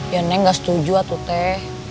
ya neng gak setuju tuh teh